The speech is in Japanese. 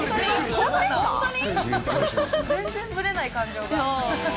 全然ぶれない、感情が。